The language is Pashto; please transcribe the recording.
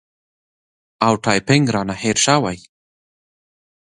او ټایپینګ رانه هېر شوی